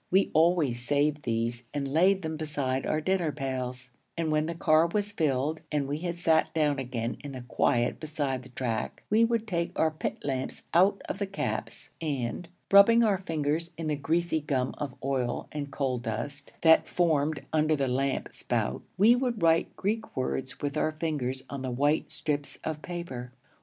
We always saved these and laid them beside our dinner pails; and when the car was filled and we had sat down again in the quiet beside the track, we would take our pit lamps out of our caps and, rubbing our fingers in the greasy gum of oil and coal dust that formed under the lamp spout, we would write Greek words with our fingers on the white strips of paper.